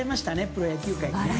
プロ野球界にね。